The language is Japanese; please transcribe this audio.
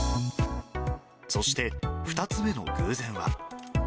そして２つ目の偶然は。